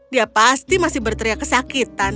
dia pasti masih berteriak kesakitan